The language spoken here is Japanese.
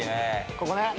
・ここね。